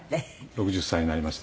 ６０歳になりまして。